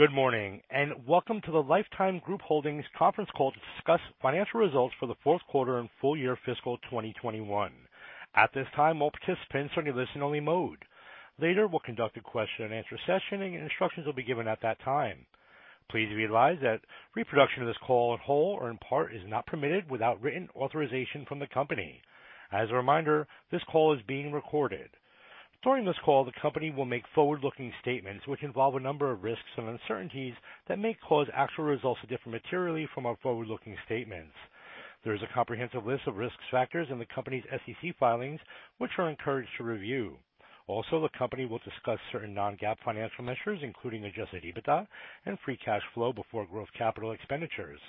Good morning, and welcome to the Life Time Group Holdings conference call to discuss financial results for the fourth quarter and full year fiscal 2021. At this time, all participants are in listen-only mode. Later, we'll conduct a question-and-answer session, and instructions will be given at that time. Please realize that reproduction of this call in whole or in part is not permitted without written authorization from the company. As a reminder, this call is being recorded. During this call, the company will make forward-looking statements which involve a number of risks and uncertainties that may cause actual results to differ materially from our forward-looking statements. There is a comprehensive list of risk factors in the company's SEC filings, which we're encouraged to review. Also, the company will discuss certain non-GAAP financial measures, including adjusted EBITDA and free cash flow before growth capital expenditures.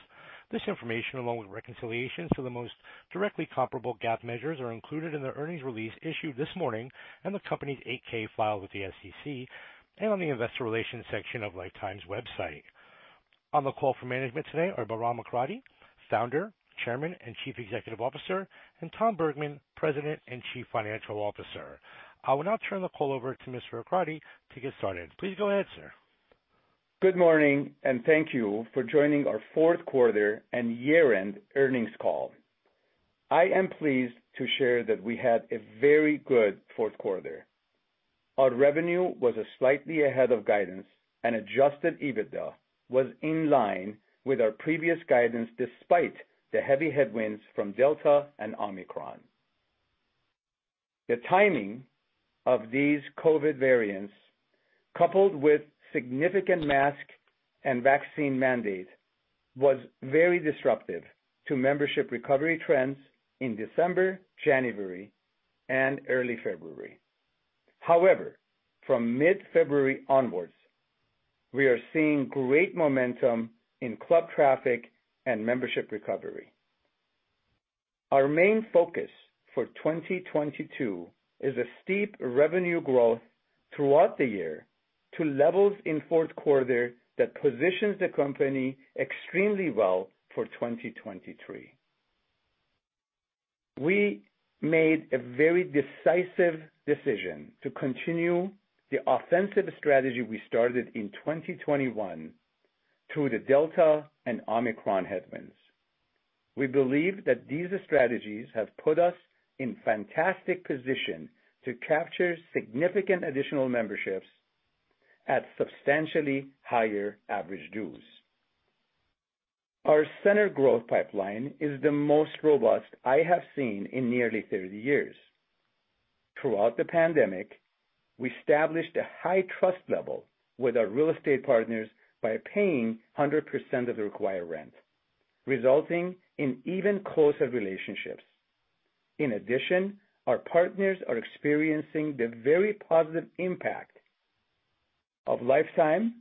This information, along with reconciliations to the most directly comparable GAAP measures, are included in the earnings release issued this morning and the company's 8-K filed with the SEC and on the investor relations section of Life Time's website. On the call for management today are Bahram Akradi, Founder, Chairman, and Chief Executive Officer, and Tom Bergmann, President and Chief Financial Officer. I will now turn the call over to Mr. Akradi to get started. Please go ahead, sir. Good morning, and thank you for joining our fourth quarter and year-end earnings call. I am pleased to share that we had a very good fourth quarter. Our revenue was slightly ahead of guidance, and adjusted EBITDA was in line with our previous guidance, despite the heavy headwinds from Delta and Omicron. The timing of these COVID-19 variants, coupled with significant mask and vaccine mandate, was very disruptive to membership recovery trends in December, January, and early February. However, from mid-February onwards, we are seeing great momentum in club traffic and membership recovery. Our main focus for 2022 is a steep revenue growth throughout the year to levels in fourth quarter that positions the company extremely well for 2023. We made a very decisive decision to continue the offensive strategy we started in 2021 through the Delta and Omicron headwinds. We believe that these strategies have put us in fantastic position to capture significant additional memberships at substantially higher average dues. Our center growth pipeline is the most robust I have seen in nearly 30 years. Throughout the pandemic, we established a high trust level with our real estate partners by paying 100% of the required rent, resulting in even closer relationships. In addition, our partners are experiencing the very positive impact of Life Time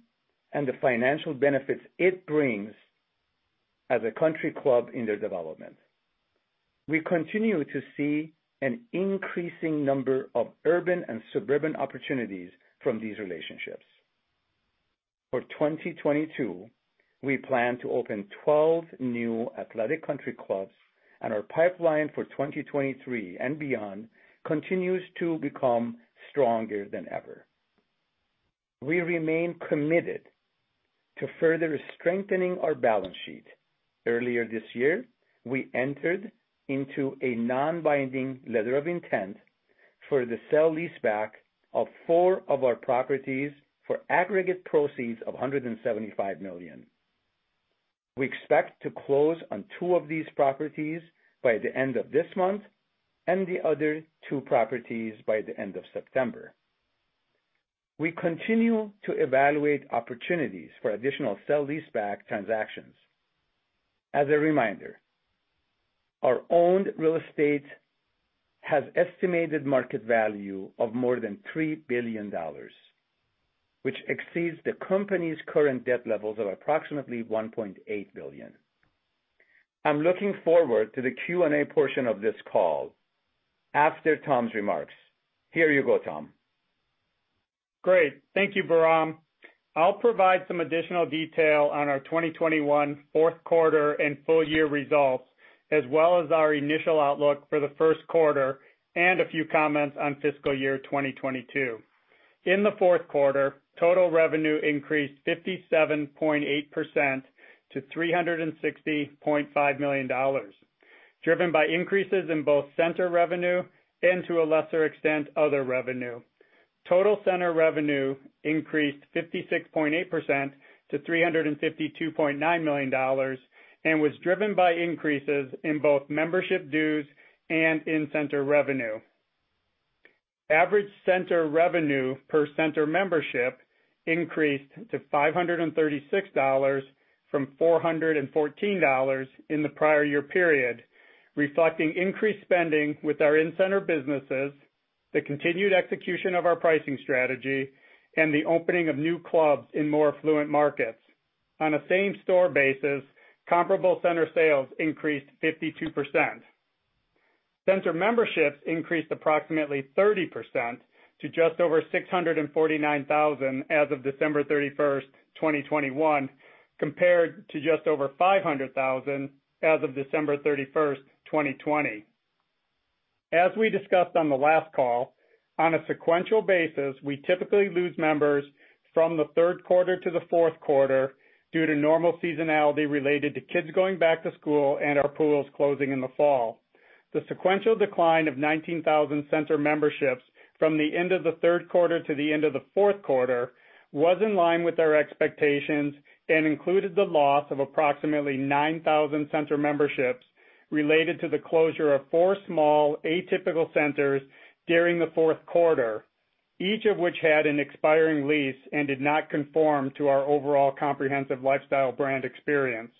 and the financial benefits it brings as a country club in their development. We continue to see an increasing number of urban and suburban opportunities from these relationships. For 2022, we plan to open 12 new athletic country clubs, and our pipeline for 2023 and beyond continues to become stronger than ever. We remain committed to further strengthening our balance sheet. Earlier this year, we entered into a non-binding letter of intent for the sale-leaseback of four of our properties for aggregate proceeds of $175 million. We expect to close on two of these properties by the end of this month and the other two properties by the end of September. We continue to evaluate opportunities for additional sale-leaseback transactions. As a reminder, our owned real estate has estimated market value of more than $3 billion, which exceeds the company's current debt levels of approximately $1.8 billion. I'm looking forward to the Q&A portion of this call after Tom's remarks. Here you go, Tom. Great. Thank you, Bahram. I'll provide some additional detail on our 2021 fourth quarter and full-year results, as well as our initial outlook for the first quarter and a few comments on fiscal year 2022. In the fourth quarter, total revenue increased 57.8% to $360.5 million, driven by increases in both center revenue and to a lesser extent, other revenue. Total center revenue increased 56.8% to $352.9 million and was driven by increases in both membership dues and in-center revenue. Average center revenue per center membership increased to $536 from $414 in the prior year period, reflecting increased spending with our in-center businesses, the continued execution of our pricing strategy, and the opening of new clubs in more affluent markets. On a same-store basis, comparable center sales increased 52%. Center memberships increased approximately 30% to just over 649,000 as of December 31, 2021, compared to just over 500,000 as of December 31, 2020. As we discussed on the last call, on a sequential basis, we typically lose members from the third quarter to the fourth quarter due to normal seasonality related to kids going back to school and our pools closing in the fall. The sequential decline of 19,000 center memberships from the end of the third quarter to the end of the fourth quarter was in line with our expectations and included the loss of approximately 9,000 center memberships related to the closure of four small atypical centers during the fourth quarter, each of which had an expiring lease and did not conform to our overall comprehensive lifestyle brand experience.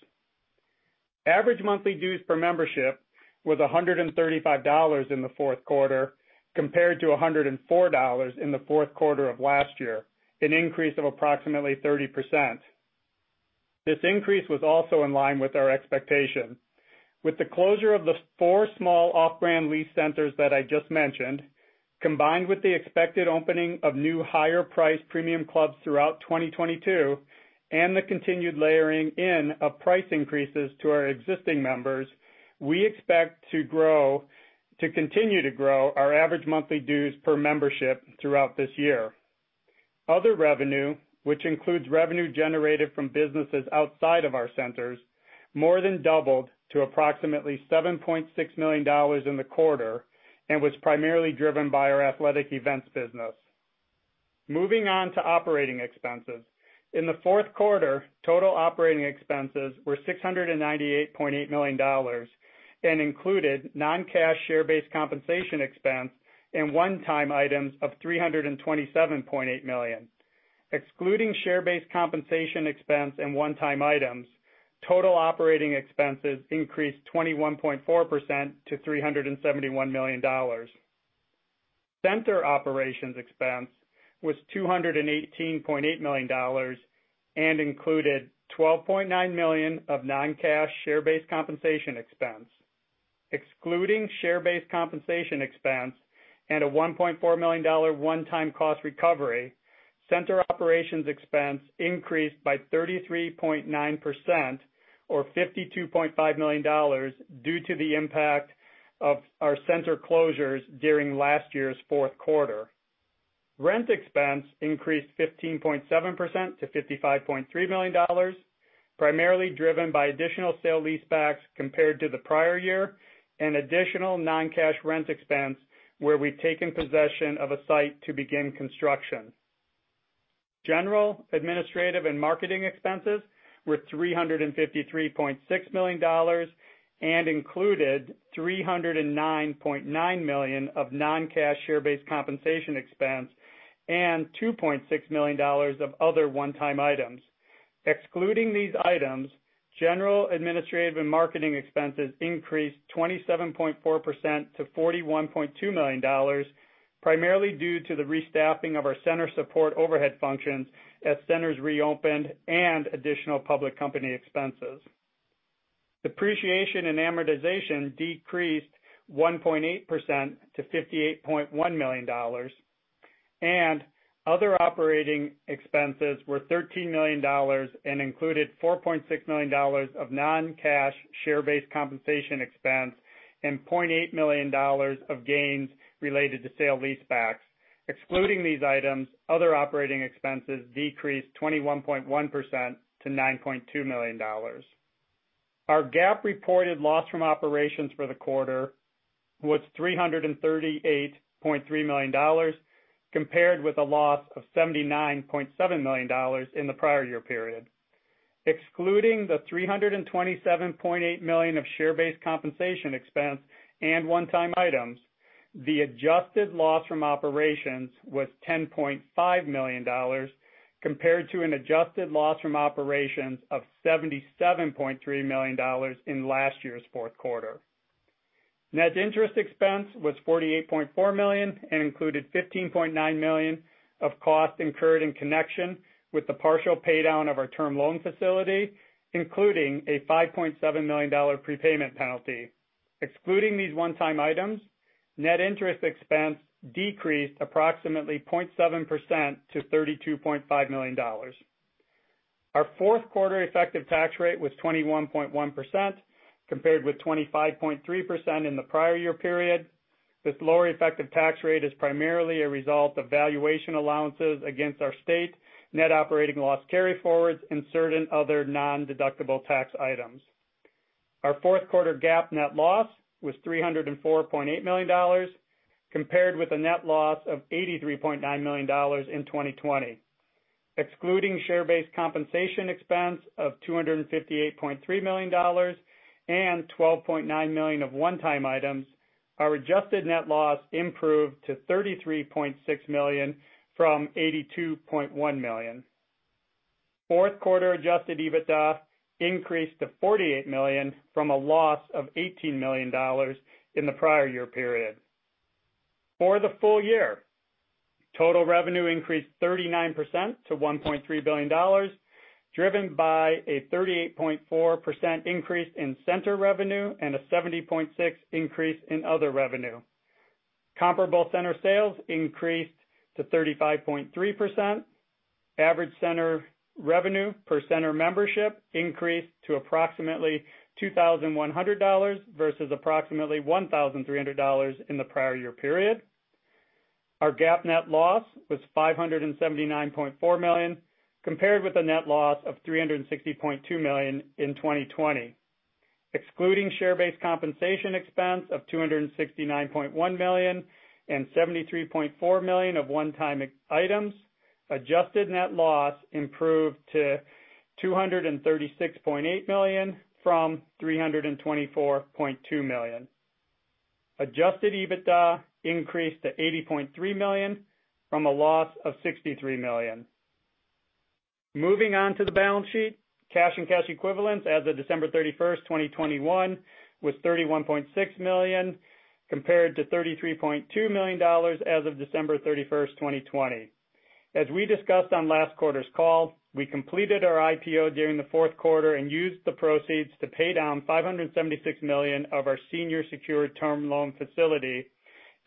Average monthly dues per membership was $135 in the fourth quarter, compared to $104 in the fourth quarter of last year, an increase of approximately 30%. This increase was also in line with our expectations. With the closure of the four small off-brand lease centers that I just mentioned, combined with the expected opening of new higher-priced premium clubs throughout 2022 and the continued layering in of price increases to our existing members, we expect to continue to grow our average monthly dues per membership throughout this year. Other revenue, which includes revenue generated from businesses outside of our centers, more than doubled to approximately $7.6 million in the quarter and was primarily driven by our athletic events business. Moving on to operating expenses. In the fourth quarter, total operating expenses were $698.8 million and included non-cash share-based compensation expense and one-time items of $327.8 million. Excluding share-based compensation expense and one-time items, total operating expenses increased 21.4% to $371 million. Center operations expense was $218.8 million and included $12.9 million of non-cash share-based compensation expense. Excluding share-based compensation expense and a $1.4 million one-time cost recovery, center operations expense increased by 33.9% or $52.5 million due to the impact of our center closures during last year's fourth quarter. Rent expense increased 15.7% to $55.3 million, primarily driven by additional sale-leasebacks compared to the prior year and additional non-cash rent expense where we've taken possession of a site to begin construction. General, administrative and marketing expenses were $353.6 million and included $309.9 million of non-cash share-based compensation expense and $2.6 million of other one-time items. Excluding these items, general, administrative and marketing expenses increased 27.4% to $41.2 million, primarily due to the restaffing of our center support overhead functions as centers reopened and additional public company expenses. Depreciation and amortization decreased 1.8% to $58.1 million, and other operating expenses were $13 million and included $4.6 million of non-cash share-based compensation expense and $0.8 million of gains related to sale-leasebacks. Excluding these items, other operating expenses decreased 21.1% to $9.2 million. Our GAAP reported loss from operations for the quarter was $338.3 million, compared with a loss of $79.7 million in the prior year period. Excluding the $327.8 million of share-based compensation expense and one-time items, the adjusted loss from operations was $10.5 million, compared to an adjusted loss from operations of $77.3 million in last year's fourth quarter. Net interest expense was $48.4 million and included $15.9 million of costs incurred in connection with the partial paydown of our term loan facility, including a $5.7 million prepayment penalty. Excluding these one-time items, net interest expense decreased approximately 0.7% to $32.5 million. Our fourth quarter effective tax rate was 21.1%, compared with 25.3% in the prior year period. This lower effective tax rate is primarily a result of valuation allowances against our state net operating loss carryforwards and certain other non-deductible tax items. Our fourth quarter GAAP net loss was $304.8 million, compared with a net loss of $83.9 million in 2020. Excluding share-based compensation expense of $258.3 million and $12.9 million of one-time items, our adjusted net loss improved to $33.6 million from $82.1 million. Fourth quarter adjusted EBITDA increased to $48 million from a loss of $18 million in the prior year period. For the full year, total revenue increased 39% to $1.3 billion, driven by a 38.4% increase in center revenue and a 70.6% increase in other revenue. Comparable center sales increased to 35.3%. Average center revenue per center membership increased to approximately $2,100 versus approximately $1,300 in the prior year period. Our GAAP net loss was $579.4 million, compared with a net loss of $360.2 million in 2020. Excluding share-based compensation expense of $269.1 million and $73.4 million of one-time expenses, adjusted net loss improved to $236.8 million from $324.2 million. Adjusted EBITDA increased to $80.3 million from a loss of $63 million. Moving on to the balance sheet, cash and cash equivalents as of December 31, 2021 was $31.6 million, compared to $33.2 million as of December 31, 2020. As we discussed on last quarter's call, we completed our IPO during the fourth quarter and used the proceeds to pay down $576 million of our senior secured term loan facility,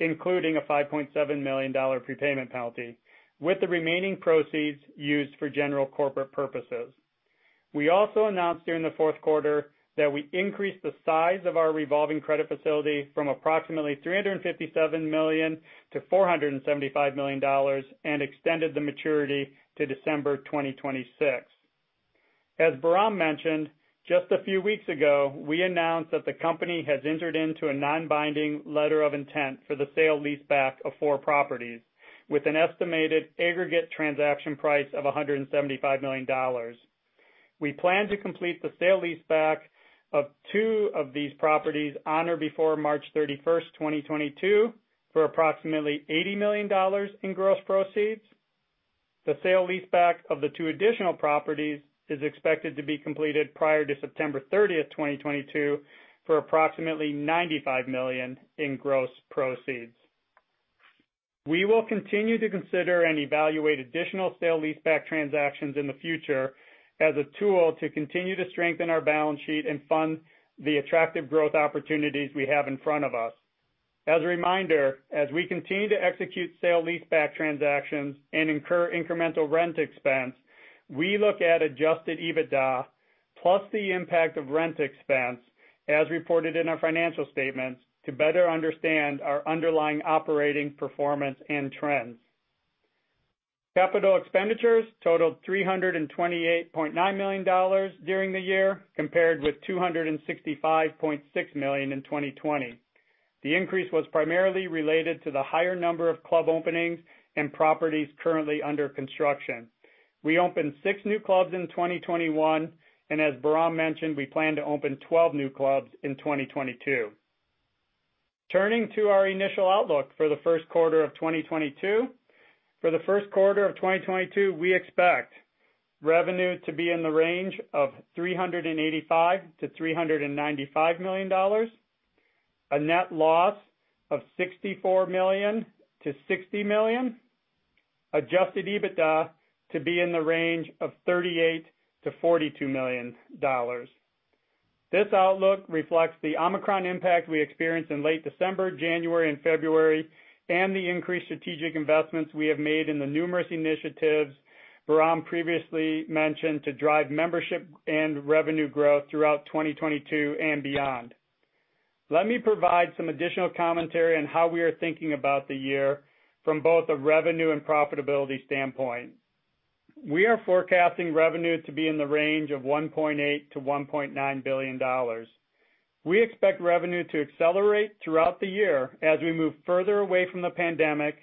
including a $5.7 million prepayment penalty, with the remaining proceeds used for general corporate purposes. We also announced during the fourth quarter that we increased the size of our revolving credit facility from approximately $357 million-$475 million and extended the maturity to December 2026. As Bahram mentioned, just a few weeks ago, we announced that the company has entered into a non-binding letter of intent for the sale-leaseback of four properties with an estimated aggregate transaction price of $175 million. We plan to complete the sale-leaseback of two of these properties on or before March 31, 2022, for approximately $80 million in gross proceeds. The sale-leaseback of the two additional properties is expected to be completed prior to September 30, 2022, for approximately $95 million in gross proceeds. We will continue to consider and evaluate additional sale-leaseback transactions in the future as a tool to continue to strengthen our balance sheet and fund the attractive growth opportunities we have in front of us. As a reminder, as we continue to execute sale-leaseback transactions and incur incremental rent expense, we look at adjusted EBITDA plus the impact of rent expense as reported in our financial statements to better understand our underlying operating performance and trends. Capital expenditures totaled $328.9 million during the year, compared with $265.6 million in 2020. The increase was primarily related to the higher number of club openings and properties currently under construction. We opened six new clubs in 2021, and as Bahram mentioned, we plan to open 12 new clubs in 2022. Turning to our initial outlook for the first quarter of 2022. For the first quarter of 2022, we expect revenue to be in the range of $385-$395 million, a net loss of $64-$60 million, adjusted EBITDA to be in the range of $38 million-$42 million. This outlook reflects the Omicron impact we experienced in late December, January, and February, and the increased strategic investments we have made in the numerous initiatives Bahram previously mentioned to drive membership and revenue growth throughout 2022 and beyond. Let me provide some additional commentary on how we are thinking about the year from both a revenue and profitability standpoint. We are forecasting revenue to be in the range of $1.8 billion-$1.9 billion. We expect revenue to accelerate throughout the year as we move further away from the pandemic,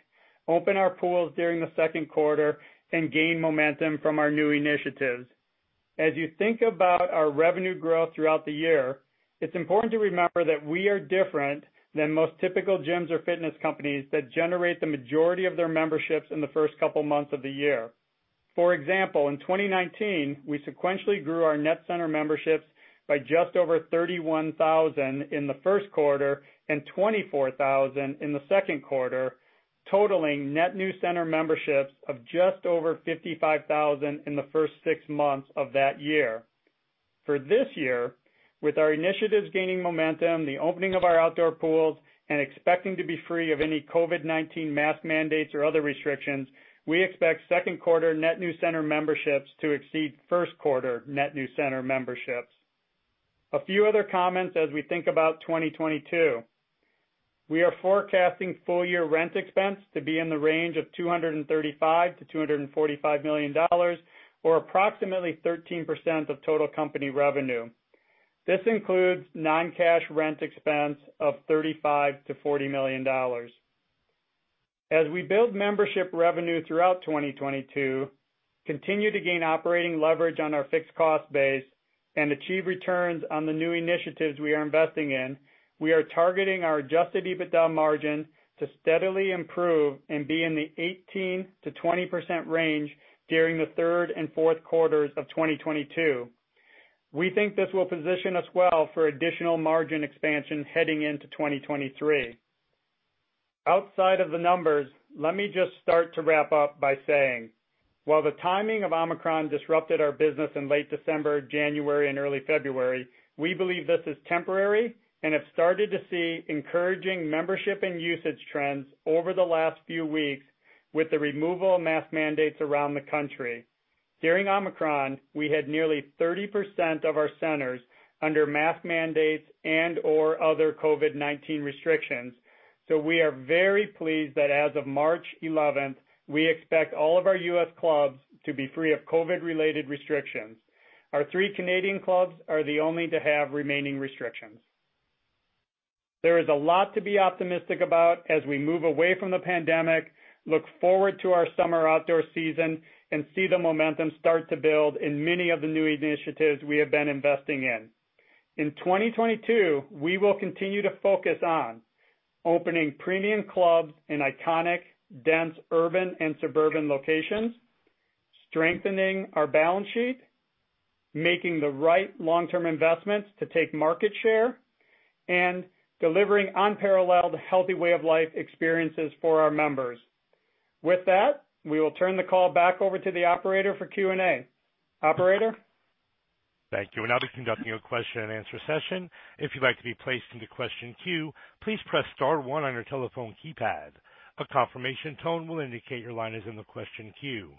open our pools during the second quarter, and gain momentum from our new initiatives. As you think about our revenue growth throughout the year, it's important to remember that we are different than most typical gyms or fitness companies that generate the majority of their memberships in the first couple months of the year. For example, in 2019, we sequentially grew our net center memberships by just over 31,000 in the first quarter and 24,000 in the second quarter, totaling net new center memberships of just over 55,000 in the first six months of that year. For this year, with our initiatives gaining momentum, the opening of our outdoor pools, and expecting to be free of any COVID-19 mask mandates or other restrictions, we expect second quarter net new center memberships to exceed first quarter net new center memberships. A few other comments as we think about 2022. We are forecasting full year rent expense to be in the range of $235 million-$245 million or approximately 13% of total company revenue. This includes non-cash rent expense of $35 million-$40 million. As we build membership revenue throughout 2022, continue to gain operating leverage on our fixed cost base, and achieve returns on the new initiatives we are investing in, we are targeting our adjusted EBITDA margin to steadily improve and be in the 18%-20% range during the third and fourth quarters of 2022. We think this will position us well for additional margin expansion heading into 2023. Outside of the numbers, let me just start to wrap up by saying. While the timing of Omicron disrupted our business in late December, January and early February, we believe this is temporary and have started to see encouraging membership and usage trends over the last few weeks with the removal of mask mandates around the country. During Omicron, we had nearly 30% of our centers under mask mandates and/or other COVID-19 restrictions. We are very pleased that as of March 11th, we expect all of our U.S. clubs to be free of COVID-related restrictions. Our three Canadian clubs are the only to have remaining restrictions. There is a lot to be optimistic about as we move away from the pandemic, look forward to our summer outdoor season, and see the momentum start to build in many of the new initiatives we have been investing in. In 2022, we will continue to focus on opening premium clubs in iconic, dense, urban and suburban locations, strengthening our balance sheet, making the right long-term investments to take market share, and delivering unparalleled healthy way of life experiences for our members. With that, we will turn the call back over to the operator for Q&A. Operator? Thank you. We'll now be conducting a question and answer session. If you'd like to be placed into question queue, please press star one on your telephone keypad. A confirmation tone will indicate your line is in the question queue.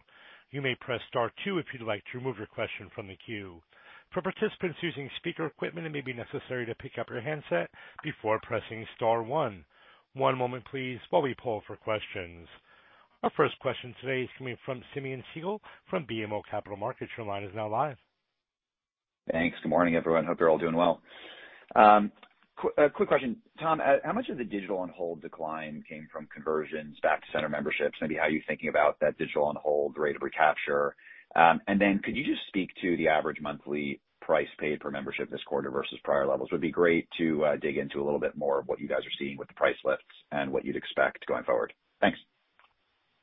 You may press star two if you'd like to remove your question from the queue. For participants using speaker equipment, it may be necessary to pick up your handset before pressing star one. One moment please while we poll for questions. Our first question today is coming from Simeon Siegel from BMO Capital Markets. Your line is now live. Thanks. Good morning, everyone. Hope you're all doing well. Quick question, Tom. How much of the digital on-hold decline came from conversions back to center memberships? Maybe how are you thinking about that digital on-hold rate of recapture? Could you just speak to the average monthly price paid per membership this quarter versus prior levels? Would be great to dig into a little bit more of what you guys are seeing with the price lifts and what you'd expect going forward. Thanks.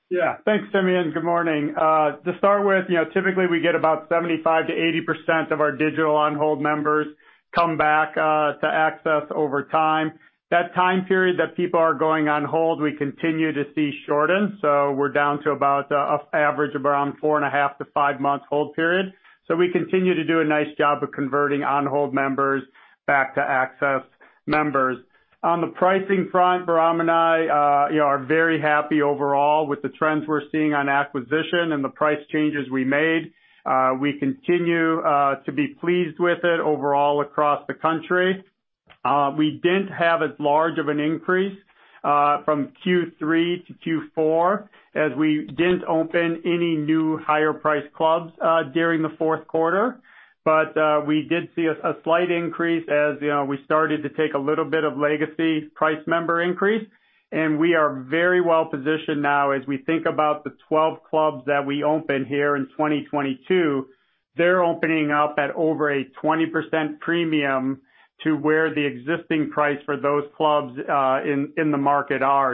Yeah. Thanks, Simeon. Good morning. To start with, you know, typically we get about 75%-80% of our digital on-hold members come back to access over time. That time period that people are going on hold, we continue to see shorten. We're down to about a average of around 4.5 to 5 months hold period. We continue to do a nice job of converting on-hold members back to access members. On the pricing front, Bahram and I, you know, are very happy overall with the trends we're seeing on oacquisition and the price changes we made. We continue to be pleased with it overall across the country. We didn't have as large of an increase from Q3 to Q4, as we didn't open any new higher priced clubs during the fourth quarter. We did see a slight increase as you know we started to take a little bit of legacy price member increase. We are very well positioned now as we think about the 12 clubs that we open here in 2022. They're opening up at over a 20% premium to where the existing price for those clubs in the market are.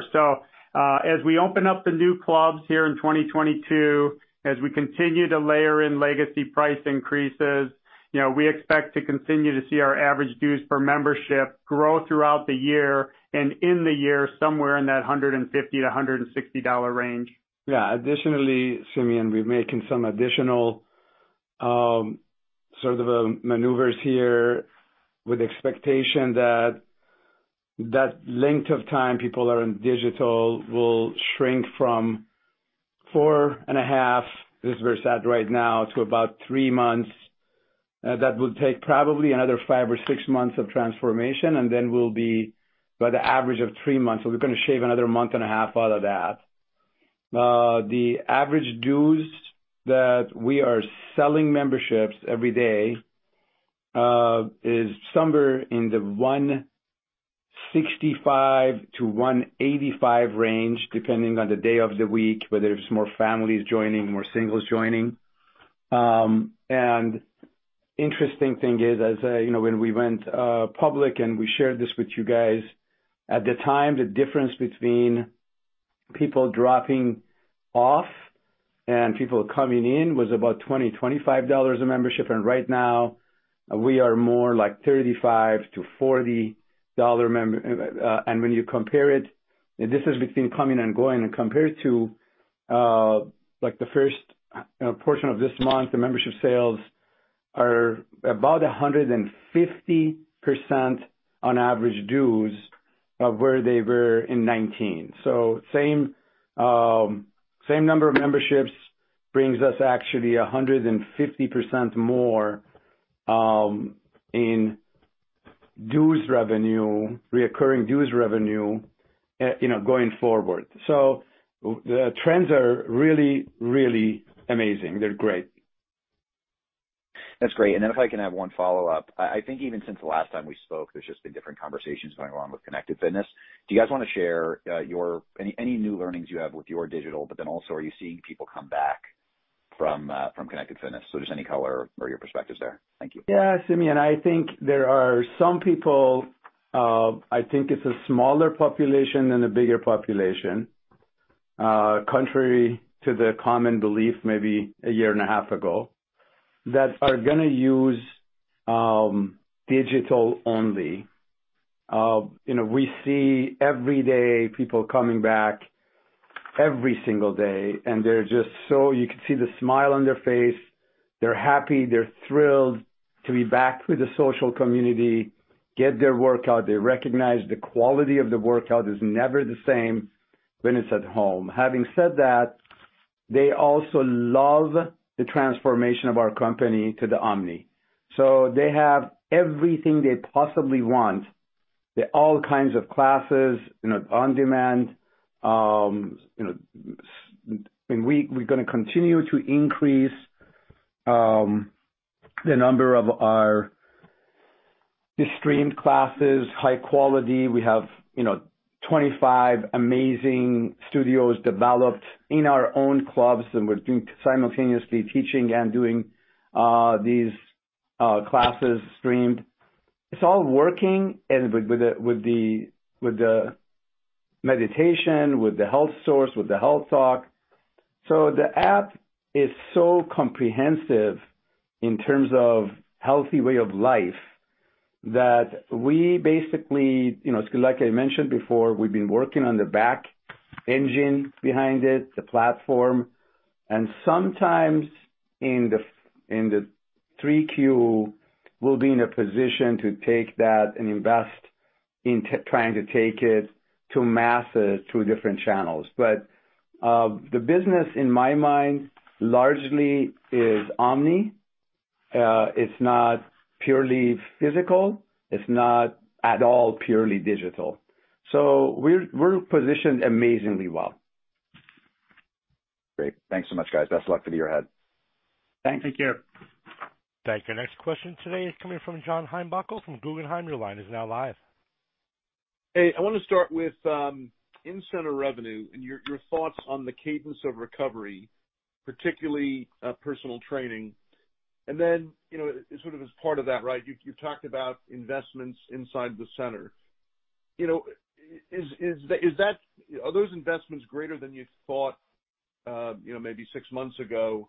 As we open up the new clubs here in 2022, as we continue to layer in legacy price increases, you know, we expect to continue to see our average dues per membership grow throughout the year and in the year somewhere in that $150-$160 range. Yeah. Additionally, Simeon, we're making some additional, sort of, maneuvers here with expectation that that length of time people are in digital will shrink from 4.5, this is where it's at right now, to about 3 months. That will take probably another 5 or 6 months of transformation, and then we'll be at the average of 3 months. We're gonna shave another 1.5 months out of that. The average dues that we are selling memberships every day is somewhere in the $165-$185 range, depending on the day of the week, whether it's more families joining, more singles joining. Interesting thing is, as you know, when we went public and we shared this with you guys, at the time, the difference between people dropping off and people coming in was about $20-$25 a membership, and right now we are more like $35-$40. When you compare it, this is between coming and going and compared to, like the first portion of this month, the membership sales are about 150% on average dues of where they were in 2019. Same number of memberships brings us actually 150% more in dues revenue, recurring dues revenue, you know, going forward. The trends are really amazing. They're great. That's great. If I can have one follow-up. I think even since the last time we spoke, there's just been different conversations going on with connected fitness. Do you guys want to share your any new learnings you have with your digital, but then also are you seeing people come back from connected fitness? Just any color or your perspectives there. Thank you. Yeah, Simeon, I think there are some people. I think it's a smaller population than a bigger population, contrary to the common belief maybe a year and a half ago, that are gonna use digital only. You know, we see every day people coming back every single day, and they're just so. You can see the smile on their face. They're happy. They're thrilled to be back with the social community, get their workout. They recognize the quality of the workout is never the same when it's at home. Having said that, they also love the transformation of our company to the Omni. They have everything they possibly want. All kinds of classes, you know, on-demand. You know, we're gonna continue to increase the number of our streamed classes, high quality. We have, you know, 25 amazing studios developed in our own clubs, and we're doing simultaneously teaching and doing these classes streamed. It's all working. With the meditation, with the health source, with the health talk. The app is so comprehensive in terms of healthy way of life that we basically, you know, like I mentioned before, we've been working on the back engine behind it, the platform. Sometimes in the 3Q, we'll be in a position to take that and invest in trying to take it to masses through different channels. The business in my mind largely is Omni. It's not purely physical. It's not at all purely digital. We're positioned amazingly well. Great. Thanks so much, guys. Best luck for the year ahead. Thanks. Take care. Thank you. Next question today is coming from John Heinbockel from Guggenheim. Your line is now live. Hey, I wanna start with in-center revenue and your thoughts on the cadence of recovery, particularly personal training. You know, sort of as part of that, right, you talked about investments inside the center. Are those investments greater than you thought, you know, maybe six months ago?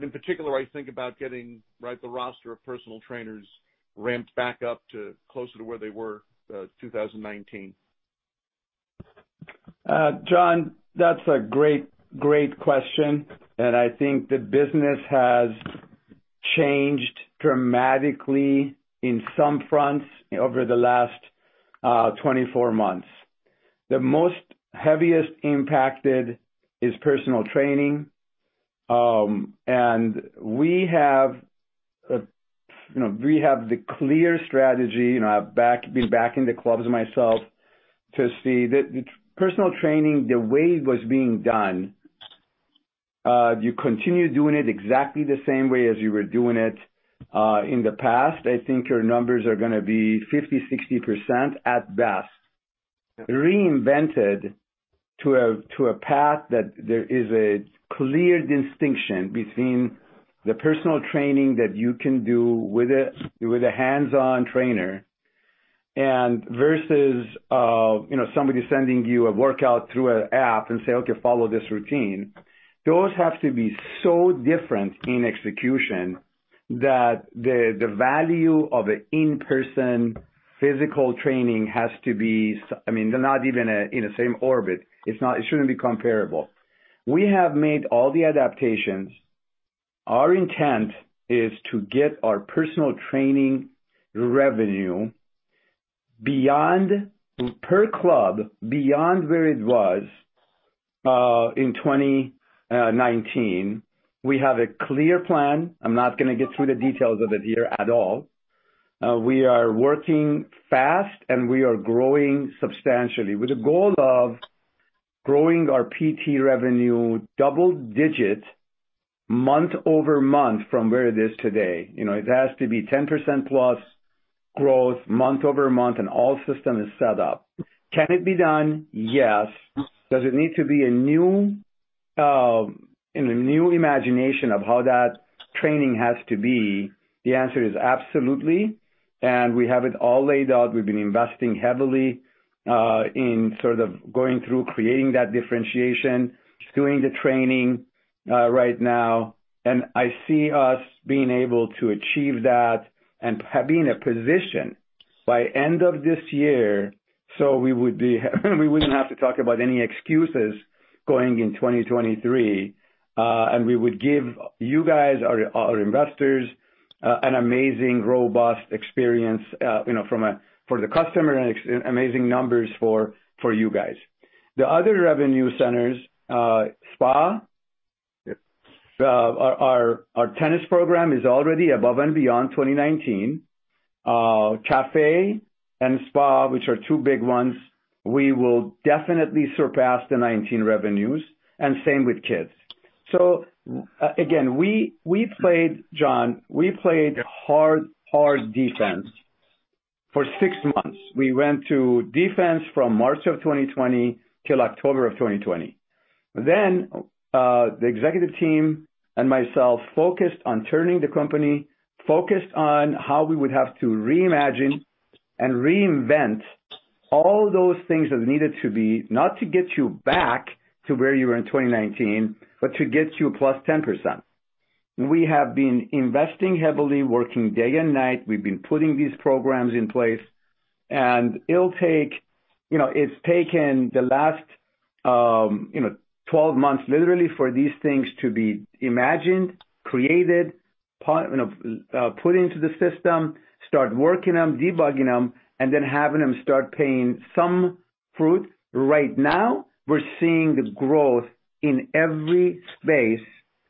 In particular, I think about getting right the roster of personal trainers ramped back up to closer to where they were, 2019. John, that's a great question, and I think the business has changed dramatically in some fronts over the last 24 months. The most heavily impacted is personal training. We have the clear strategy, you know, I've been back in the clubs myself to see. The personal training, the way it was being done, if you continue doing it exactly the same way as you were doing it in the past, I think your numbers are gonna be 50%-60% at best. Reinvented to a path that there is a clear distinction between the personal training that you can do with a hands-on trainer and versus, you know, somebody sending you a workout through an app and say, "Okay, follow this routine." Those have to be so different in execution that the value of an in-person physical training has to be. I mean, they're not even in the same orbit. It's not. It shouldn't be comparable. We have made all the adaptations. Our intent is to get our personal training revenue beyond, per club, beyond where it was in 2019. We have a clear plan. I'm not gonna get through the details of it here at all. We are working fast, and we are growing substantially with the goal of growing our PT revenue double-digit month-over-month from where it is today. You know, it has to be 10%+ growth month-over-month and all system is set up. Can it be done? Yes. Does it need to be a new, you know, new imagination of how that training has to be? The answer is absolutely. We have it all laid out. We've been investing heavily in sort of going through creating that differentiation, doing the training right now, and I see us being able to achieve that and be in a position by end of this year, so we wouldn't have to talk about any excuses going in 2023. We would give you guys our investors you know from for the customer and amazing numbers for you guys. The other revenue centers, spa. Our tennis program is already above and beyond 2019. Cafe and spa, which are two big ones, we will definitely surpass the 2019 revenues, and same with kids. Again, we played, John, hard defense for six months. We went to defense from March of 2020 till October of 2020. The executive team and myself focused on how we would have to reimagine and reinvent all those things that needed to be not to get you back to where you were in 2019, but to get you +10%. We have been investing heavily, working day and night. We've been putting these programs in place and it'll take. You know, it's taken the last, you know, 12 months, literally, for these things to be imagined, created, put into the system, start working them, debugging them, and then having them start bearing some fruit. Right now, we're seeing growth in every space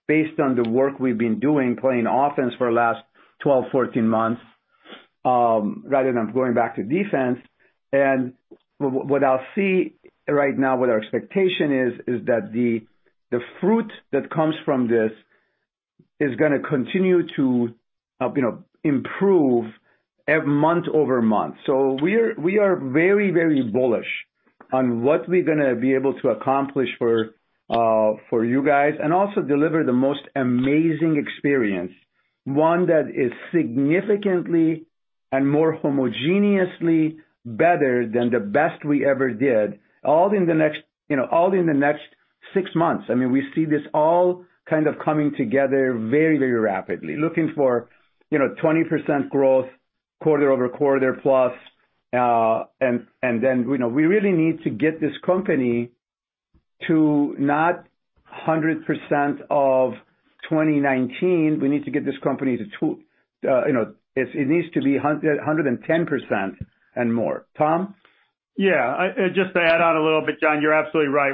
based on the work we've been doing, playing offense for the last 12, 14 months, rather than going back to defense. What I'll see right now, what our expectation is that the fruit that comes from this is gonna continue to, you know, improve every month-over-month. We're very bullish on what we're gonna be able to accomplish for you guys and also deliver the most amazing experience. One that is significantly and more homogeneously better than the best we ever did, all in the next six months. I mean, we see this all kind of coming together very rapidly. Looking for 20% growth quarter-over-quarter plus. Then we really need to get this company to not 100% of 2019. We need to get this company to hundred and ten percent and more. Tom? Yeah. Just to add on a little bit, John, you're absolutely right.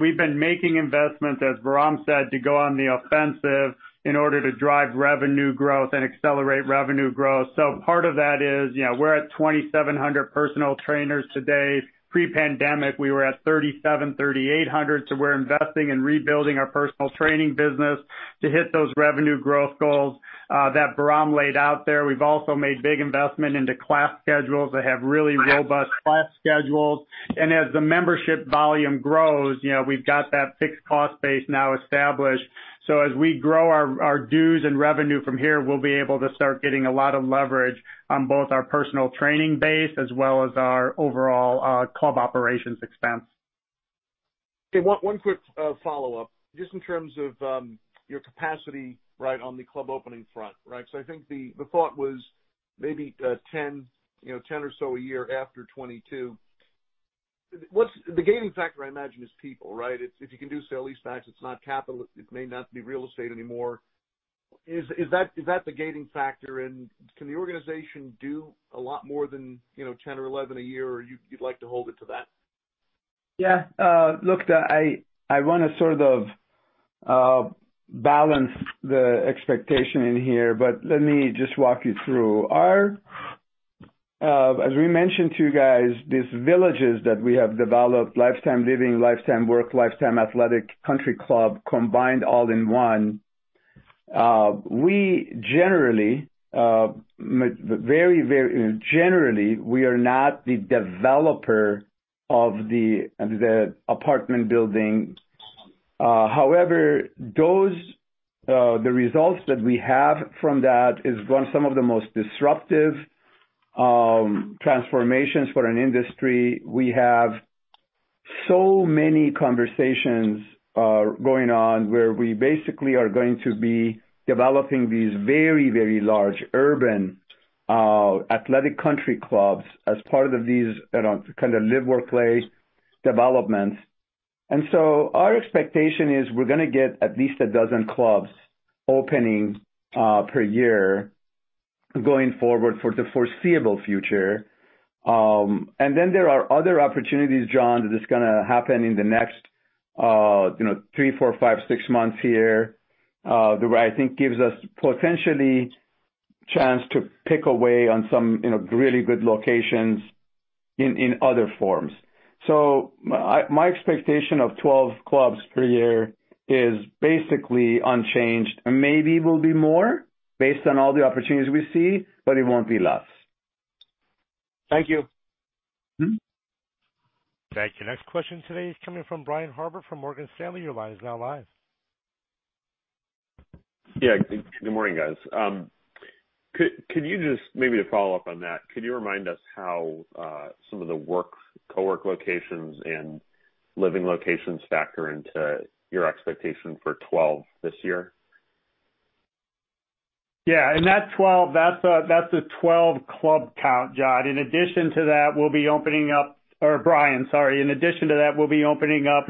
We've been making investments, as Bahram said, to go on the offensive in order to drive revenue growth and accelerate revenue growth. Part of that is, you know, we're at 2,700 personal trainers today. Pre-pandemic, we were at 3,700-3,800. We're investing in rebuilding our personal training business to hit those revenue growth goals that Bahram laid out there. We've also made big investment into class schedules that have really robust class schedules. As the membership volume grows, you know, we've got that fixed cost base now established. As we grow our dues and revenue from here, we'll be able to start getting a lot of leverage on both our personal training base as well as our overall club operations expense. Okay. One quick follow-up. Just in terms of your capacity, right, on the club opening front, right? I think the thought was maybe ten, you know, 10 or so a year after 2022. What's the gating factor I imagine is people, right? If you can do sale-leasebacks, it's not capital. It may not be real estate anymore. Is that the gating factor? And can the organization do a lot more than, you know, 10 or 11 a year, or you'd like to hold it to that? Yeah. Look, I wanna sort of balance the expectation in here, but let me just walk you through. As we mentioned to you guys, these villages that we have developed, Life Time Living, Life Time Work, Life Time Athletic country club, combined all in one. Generally, we are not the developer of the apartment building. However, the results that we have from that is one of the most disruptive transformations for an industry. We have so many conversations going on where we basically are going to be developing these very large urban athletic country clubs as part of these, you know, kind of live, work, play developments. Our expectation is we're gonna get at least 12 clubs opening per year going forward for the foreseeable future. There are other opportunities, John, that is gonna happen in the next, you know, three, four, five, six months here, that I think gives us potentially chance to pick away on some, you know, really good locations in other forms. My expectation of 12 clubs per year is basically unchanged and maybe will be more based on all the opportunities we see, but it won't be less. Thank you. Mm-hmm. Thank you. Next question today is coming from Brian Harbour from Morgan Stanley. Your line is now live. Yeah. Good morning, guys. Maybe to follow up on that, could you remind us how some of the co-work locations and living locations factor into your expectation for 12 this year? That 12, that's a 12 club count, John. In addition to that, or Brian, sorry, we'll be opening up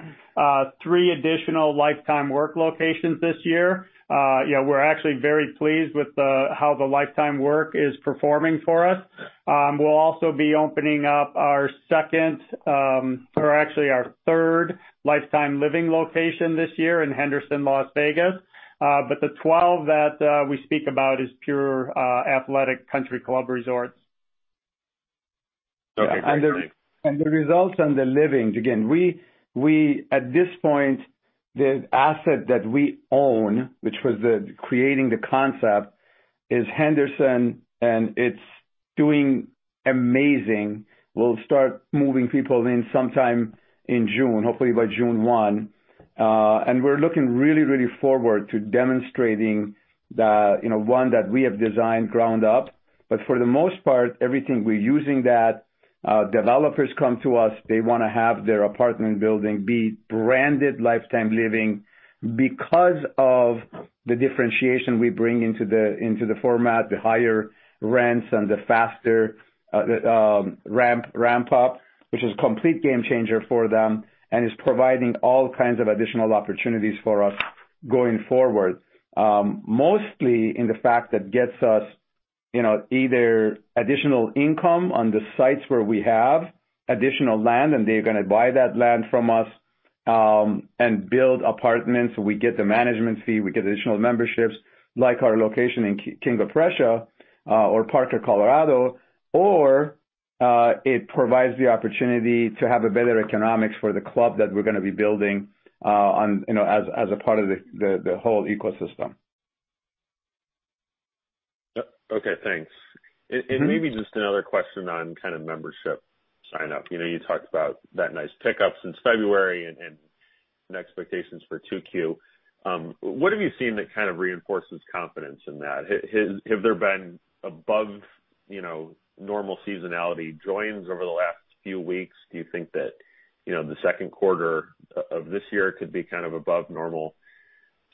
three additional Life Time Work locations this year. You know, we're actually very pleased with how the Life Time Work is performing for us. We'll also be opening up our second, or actually our third, Life Time Living location this year in Henderson, Las Vegas. But the 12 that we speak about is pure athletic country club resorts. Okay. Great. The results on the Life Time Living, again, we at this point, the asset that we own, which was creating the concept, is Henderson, and it's doing amazing. We'll start moving people in sometime in June, hopefully by June 1. We're looking really forward to demonstrating the, you know, one that we have designed ground up. But for the most part, everything we're using that developers come to us, they wanna have their apartment building be branded Life Time Living because of the differentiation we bring into the format, the higher rents and the faster ramp up, which is complete game changer for them and is providing all kinds of additional opportunities for us going forward. Mostly in the fact that gets us, you know, either additional income on the sites where we have additional land and they're gonna buy that land from us, and build apartments, we get the management fee, we get additional memberships like our location in King of Prussia, or Parker, Colorado. It provides the opportunity to have a better economics for the club that we're gonna be building, on, you know, as a part of the whole ecosystem. Okay, thanks. Mm-hmm. Maybe just another question on kind of membership sign up. You know, you talked about that nice pickup since February and expectations for 2Q. What have you seen that kind of reinforces confidence in that? Have there been above, you know, normal seasonality joins over the last few weeks? Do you think that, you know, the second quarter of this year could be kind of above normal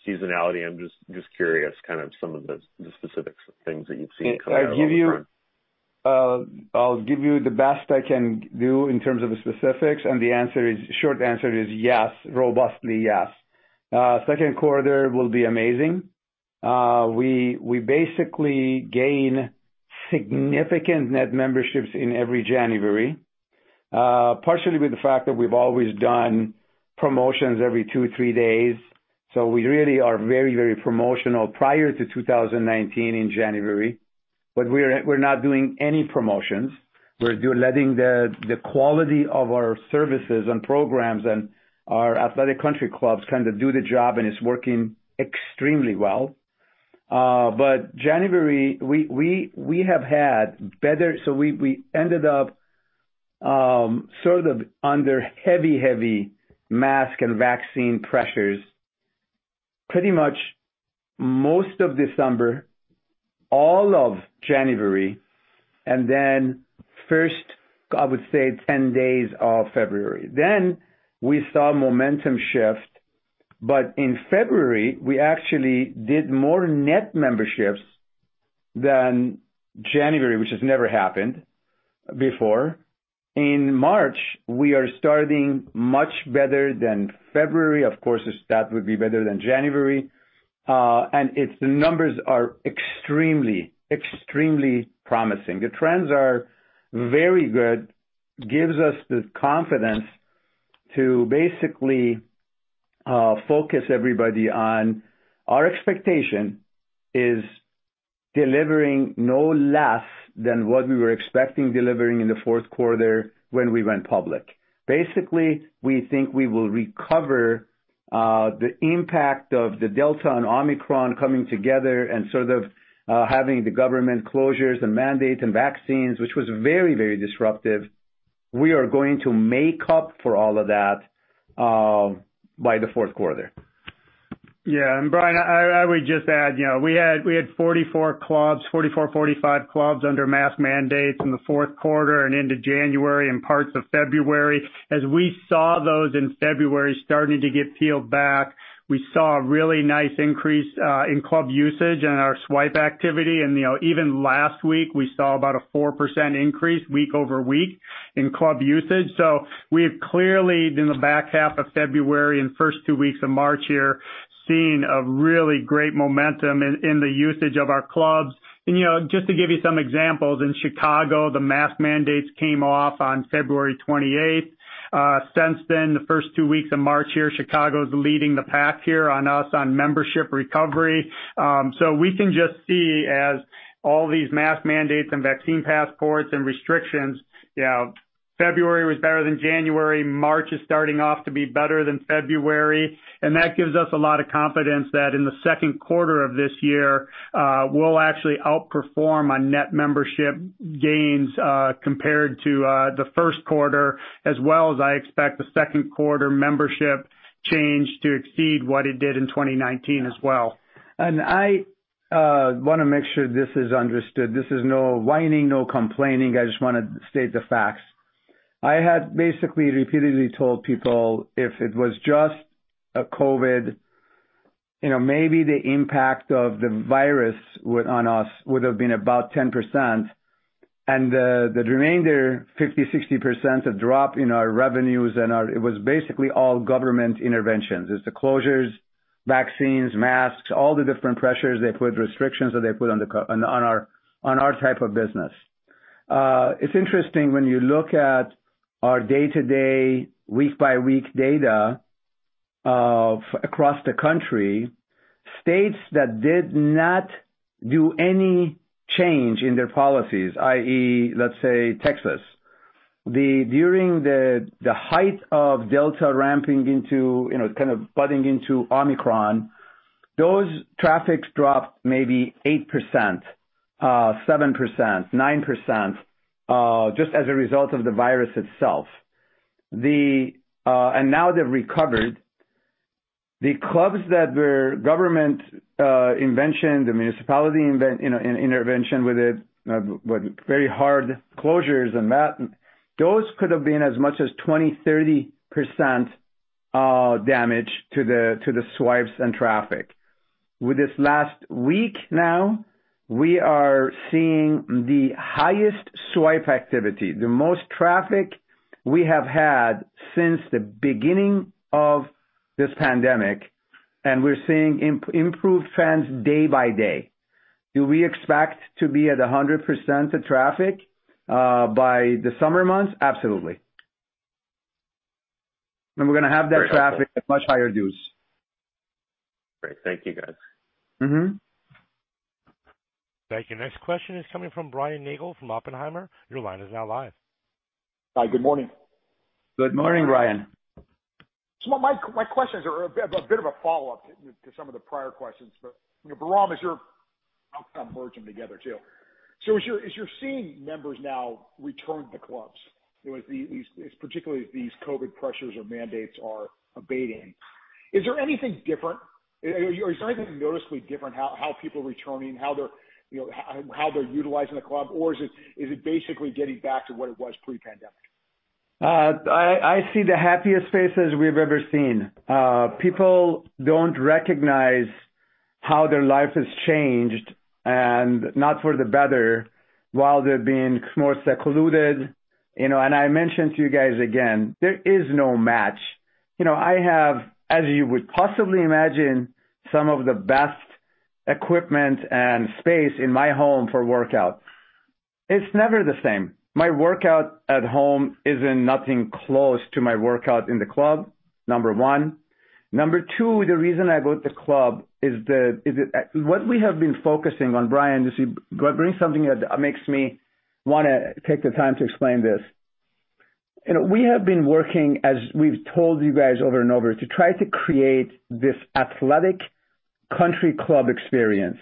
seasonality? I'm just curious, kind of some of the specifics of things that you've seen coming out on the front. I'll give you the best I can do in terms of the specifics, and the answer is short answer is yes. Robustly yes. Second quarter will be amazing. We basically gain significant net memberships in every January, partially with the fact that we've always done promotions every two, three days. We really are very, very promotional prior to 2019 in January. But we're not doing any promotions. We're letting the quality of our services and programs and our athletic country clubs kind of do the job and it's working extremely well. January, we have had better. We ended up sort of under heavy mask and vaccine pressures pretty much most of December, all of January, and then first, I would say 10 days of February. We saw momentum shift. In February, we actually did more net memberships than January, which has never happened before. In March, we are starting much better than February. Of course, the stat would be better than January. The numbers are extremely promising. The trends are very good. Gives us the confidence to basically focus everybody on our expectation is delivering no less than what we were expecting delivering in the fourth quarter when we went public. Basically, we think we will recover the impact of the Delta and Omicron coming together and sort of having the government closures and mandates and vaccines, which was very, very disruptive. We are going to make up for all of that by the fourth quarter. Yeah. Brian, I would just add, you know, we had 44 clubs, 45 clubs under mask mandates in the fourth quarter and into January and parts of February. As we saw those in February starting to get peeled back, we saw a really nice increase in club usage and our swipe activity. You know, even last week we saw about a 4% increase week-over-week in club usage. We have clearly in the back half of February and first two weeks of March here seen a really great momentum in the usage of our clubs. You know, just to give you some examples, in Chicago, the mask mandates came off on February 28th. Since then, the first two weeks of March here, Chicago is leading the pack here on our membership recovery. We can just see as all these mask mandates and vaccine passports and restrictions, you know, February was better than January. March is starting off to be better than February. That gives us a lot of confidence that in the second quarter of this year, we'll actually outperform on net membership gains, compared to the first quarter, as well as I expect the second quarter membership change to exceed what it did in 2019 as well. I wanna make sure this is understood. This is no whining, no complaining. I just wanna state the facts. I had basically repeatedly told people if it was just a COVID, you know, maybe the impact of the virus would have been on us about 10%. The remainder 50, 60% of drop in our revenues and our it was basically all government interventions. It's the closures, vaccines, masks, all the different pressures they put, restrictions that they put on our type of business. It's interesting when you look at our day-to-day, week-by-week data across the country, states that did not do any change in their policies, i.e., let's say Texas, during the height of Delta ramping into, you know, kind of budding into Omicron, those traffic dropped maybe 8%, 7%, 9%, just as a result of the virus itself. And now they've recovered. The clubs that were government intervention, the municipality intervention with it, with very hard closures and that, those could have been as much as 20%, 30% damage to the swipes and traffic. With this last week now, we are seeing the highest swipe activity, the most traffic we have had since the beginning of this pandemic, and we're seeing improved trends day by day. Do we expect to be at 100% of traffic by the summer months? Absolutely. We're gonna have that traffic at much higher dues. Great. Thank you, guys. Mm-hmm. Thank you. Next question is coming from Brian Nagel from Oppenheimer. Your line is now live. Hi, good morning. Good morning, Brian. My questions are a bit of a follow-up to some of the prior questions, but you know, Bahram, as you're, I'll kind of merge them together too. As you're seeing members now return to clubs with these, particularly as these COVID pressures or mandates are abating, is there anything different? Is there anything noticeably different how people are returning, how they're, you know, how they're utilizing the club, or is it basically getting back to what it was pre-pandemic? I see the happiest faces we've ever seen. People don't recognize how their life has changed, and not for the better, while they're being more secluded. You know, I mentioned to you guys, again, there is no match. You know, I have, as you would possibly imagine, some of the best equipment and space in my home for workout. It's never the same. My workout at home isn't nothing close to my workout in the club, number one. Number two, the reason I go to the club is what we have been focusing on, Brian. You see, brings something that makes me wanna take the time to explain this. You know, we have been working, as we've told you guys over and over, to try to create this athletic country club experience.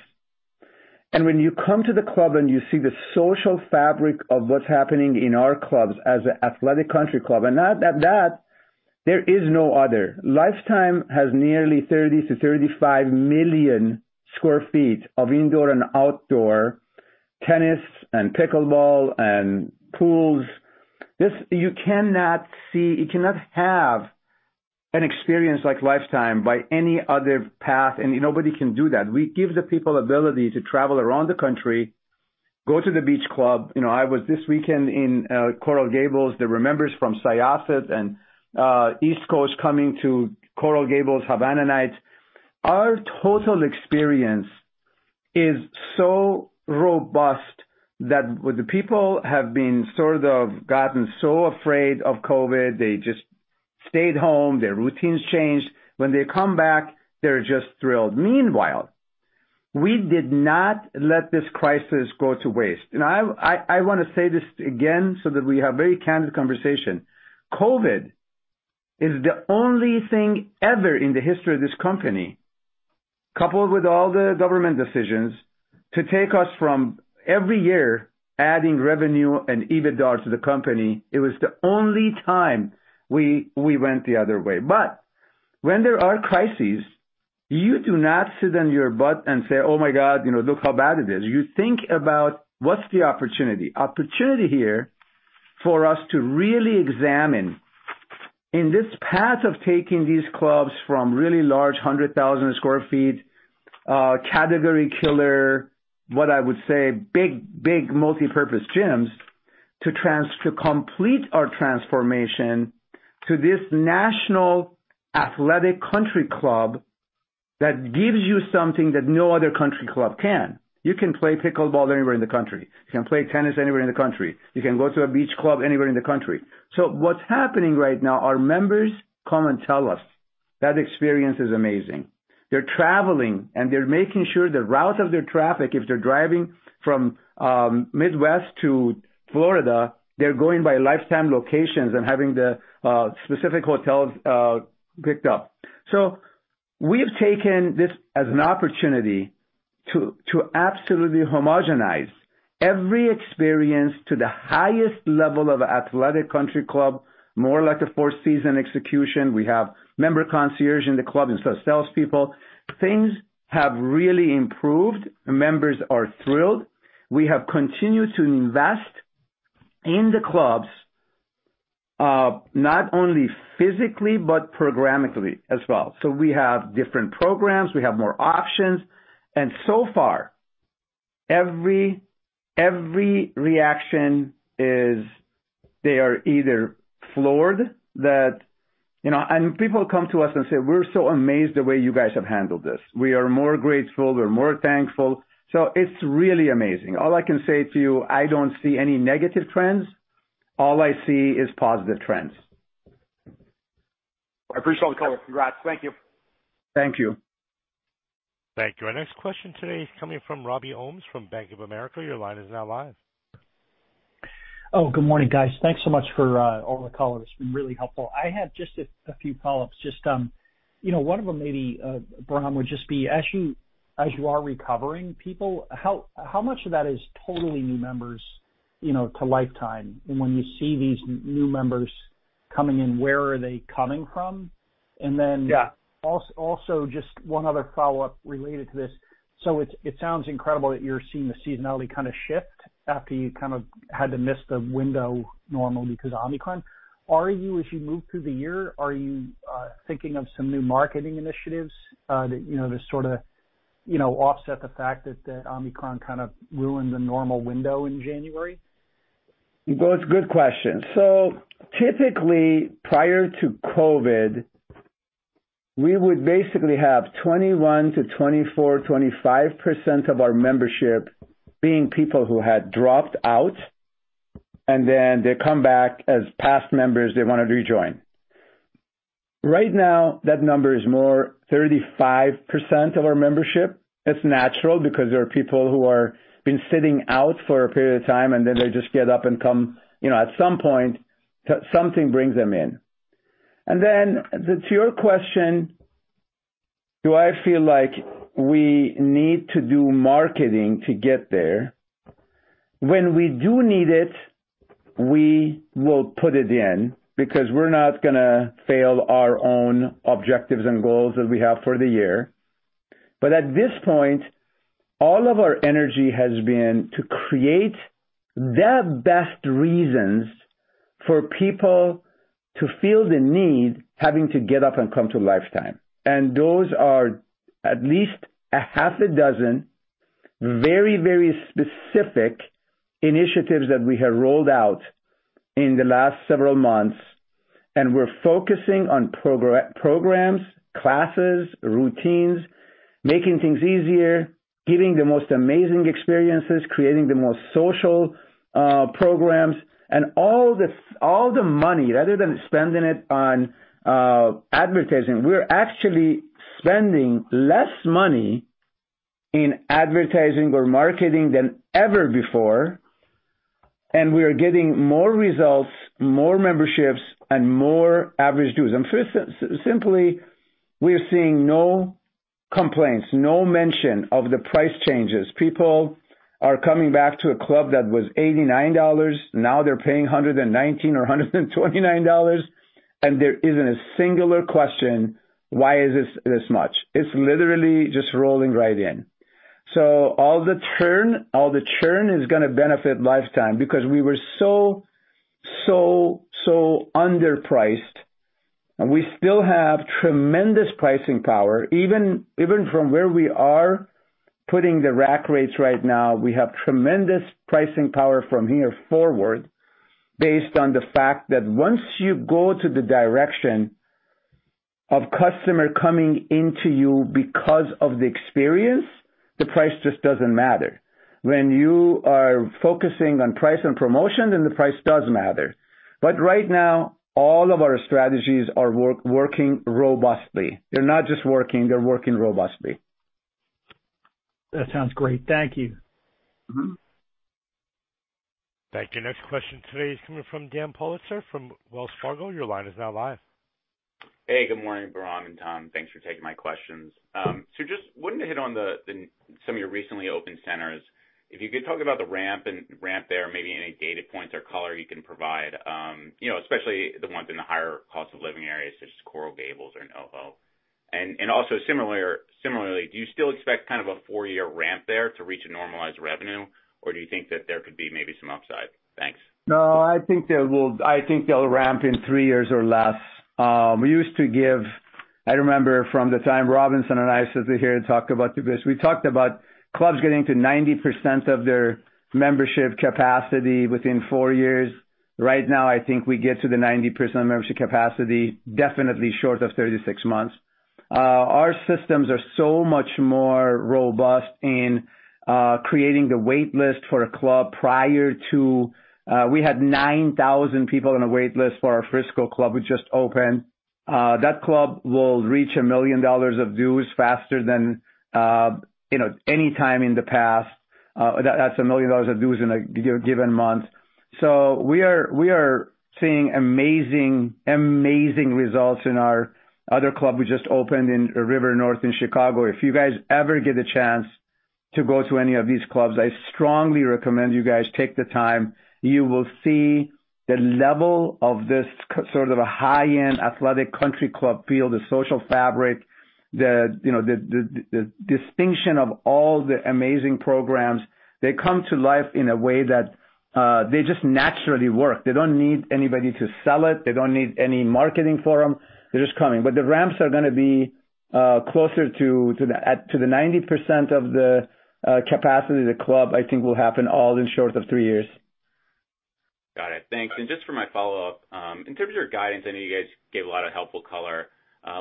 When you come to the club and you see the social fabric of what's happening in our clubs as an athletic country club, and not that, there is no other. Life Time has nearly 30-35 million sq ft of indoor and outdoor tennis and pickleball and pools. You cannot have an experience like Life Time by any other path, and nobody can do that. We give the people ability to travel around the country, go to the beach club. You know, I was this weekend in Coral Gables. There were members from Syosset and East Coast coming to Coral Gables Havana Nights. Our total experience is so robust that when the people have been sort of gotten so afraid of COVID, they just stayed home, their routines changed. When they come back, they're just thrilled. Meanwhile, we did not let this crisis go to waste. I wanna say this again, so that we have very candid conversation. COVID is the only thing ever in the history of this company, coupled with all the government decisions, to take us from every year adding revenue and EBITDA to the company. It was the only time we went the other way. When there are crises, you do not sit on your butt and say, "Oh my God, you know, look how bad it is." You think about what's the opportunity. Opportunity here for us to really examine in this path of taking these clubs from really large 100,000 sq ft category killer, what I would say, big multipurpose gyms, to complete our transformation to this national athletic country club that gives you something that no other country club can. You can play pickleball anywhere in the country. You can play tennis anywhere in the country. You can go to a beach club anywhere in the country. What's happening right now, our members come and tell us that experience is amazing. They're traveling, and they're making sure the route of their travel, if they're driving from Midwest to Florida, they're going by Life Time locations and having the specific hotels picked up. We've taken this as an opportunity to absolutely homogenize every experience to the highest level of athletic country club, more like a Four Seasons execution. We have member concierge in the club instead of salespeople. Things have really improved. Members are thrilled. We have continued to invest in the clubs, not only physically but programmatically as well. We have different programs, we have more options. Every reaction is they are either floored, you know, and people come to us and say, "We're so amazed the way you guys have handled this. We are more grateful. We're more thankful." It's really amazing. All I can say to you, I don't see any negative trends. All I see is positive trends. I appreciate the call. Congrats. Thank you. Thank you. Thank you. Our next question today is coming from Robbie Ohmes from Bank of America. Your line is now live. Oh, good morning, guys. Thanks so much for all the color. It's been really helpful. I had just a few follow-ups. Just, you know, one of them maybe, Bahram, would just be as you are recovering people, how much of that is totally new members? You know, to Life Time. And when you see these new members coming in, where are they coming from? And then- Yeah. Also just one other follow-up related to this. It sounds incredible that you're seeing the seasonality kind of shift after you kind of had to miss the window normally because of Omicron. Are you, as you move through the year, thinking of some new marketing initiatives that, you know, to sort of, you know, offset the fact that the Omicron kind of ruined the normal window in January? Well, it's a good question. Typically, prior to COVID, we would basically have 21%-25% of our membership being people who had dropped out, and then they come back as past members, they wanna rejoin. Right now, that number is more 35% of our membership. It's natural because there are people who have been sitting out for a period of time, and then they just get up and come, you know, at some point, something brings them in. Then to your question, do I feel like we need to do marketing to get there? When we do need it, we will put it in because we're not gonna fail our own objectives and goals that we have for the year. At this point, all of our energy has been to create the best reasons for people to feel the need having to get up and come to Life Time. Those are at least half a dozen very, very specific initiatives that we have rolled out in the last several months, and we're focusing on programs, classes, routines, making things easier, giving the most amazing experiences, creating the most social programs. All the money, rather than spending it on advertising, we're actually spending less money in advertising or marketing than ever before, and we are getting more results, more memberships, and more average dues. First, simply, we are seeing no complaints, no mention of the price changes. People are coming back to a club that was $89, now they're paying $119 or $129, and there isn't a singular question, "Why is this this much?" It's literally just rolling right in. All the churn is gonna benefit Life Time because we were so underpriced, and we still have tremendous pricing power. Even from where we are putting the rack rates right now, we have tremendous pricing power from here forward based on the fact that once you go to the direction of customer coming into you because of the experience, the price just doesn't matter. When you are focusing on price and promotion, then the price does matter. Right now, all of our strategies are working robustly. They're not just working, they're working robustly. That sounds great. Thank you. Mm-hmm. Thank you. Next question today is coming from Dan Politzer from Wells Fargo. Your line is now live. Hey, good morning, Bahram Akradi and Tom Bergmann. Thanks for taking my questions. Just wanted to hit on some of your recently opened centers. If you could talk about the ramp there, maybe any data points or color you can provide, you know, especially the ones in the higher cost of living areas such as Coral Gables or NoHo. Also similarly, do you still expect kind of a four-year ramp there to reach a normalized revenue, or do you think that there could be maybe some upside? Thanks. No, I think they'll ramp in 3 years or less. I remember from the time Robinson and I used to sit here and talk about this. We talked about clubs getting to 90% of their membership capacity within 4 years. Right now, I think we get to the 90% membership capacity definitely short of 36 months. Our systems are so much more robust in creating the wait list for a club prior to we had 9,000 people on a wait list for our Frisco club we just opened. That club will reach $1 million of dues faster than you know any time in the past. That's $1 million of dues in a given month. We are seeing amazing results in our other club we just opened in River North in Chicago. If you guys ever get a chance to go to any of these clubs, I strongly recommend you guys take the time. You will see the level of this sort of a high-end athletic country club feel, the social fabric, the distinction of all the amazing programs. They come to life in a way that they just naturally work. They don't need anybody to sell it. They don't need any marketing for them. They're just coming. But the ramps are gonna be closer to the 90% of the capacity of the club. I think it will happen all in short of 3 years. Got it. Thanks. Just for my follow-up, in terms of your guidance, I know you guys gave a lot of helpful color.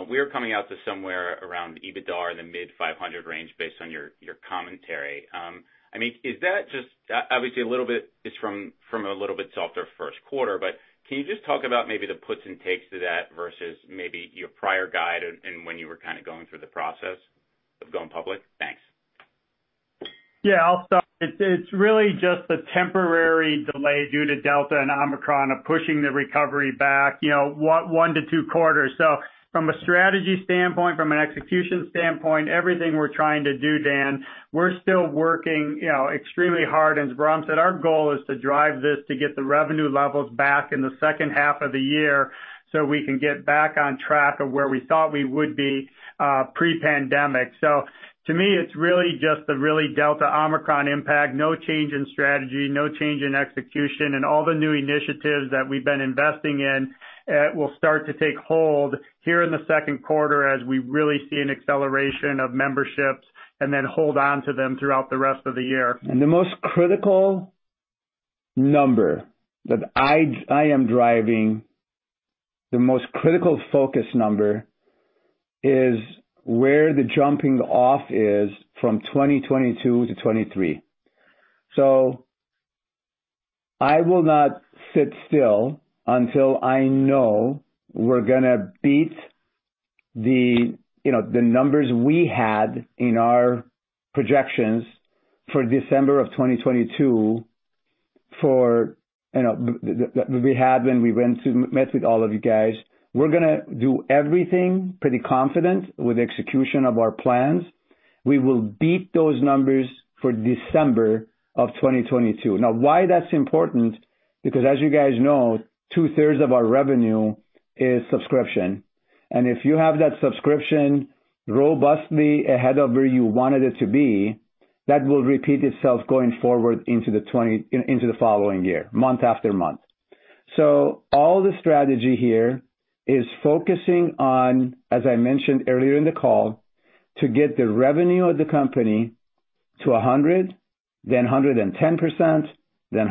We are coming out to somewhere around EBITDAR in the mid-$500 million range based on your commentary. I mean, is that just obviously a little bit, it's from a little bit softer first quarter, but can you just talk about maybe the puts and takes to that versus maybe your prior guide and when you were kinda going through the process of going public? Thanks. Yeah, I'll start. It's really just a temporary delay due to Delta and Omicron are pushing the recovery back, you know, 1-2 quarters. From a strategy standpoint, from an execution standpoint, everything we're trying to do, Dan, we're still working, you know, extremely hard. As Bahram said, our goal is to drive this to get the revenue levels back in the second half of the year, so we can get back on track of where we thought we would be, pre-pandemic. To me, it's really just the really Delta/Omicron impact. No change in strategy, no change in execution, and all the new initiatives that we've been investing in, will start to take hold here in the second quarter as we really see an acceleration of memberships and then hold on to them throughout the rest of the year. The most critical number that I am driving, the most critical focus number is where the jumping off is from 2022 to 2023. I will not sit still until I know we're gonna beat the, you know, the numbers we had in our projections for December of 2022 for, you know, that we had when we went to meet with all of you guys. We're gonna do everything pretty confident with execution of our plans. We will beat those numbers for December of 2022. Now why that's important, because as you guys know, two-thirds of our revenue is subscription. If you have that subscription robustly ahead of where you wanted it to be, that will repeat itself going forward into the following year, month after month. All the strategy here is focusing on, as I mentioned earlier in the call, to get the revenue of the company to 100, then 110%, then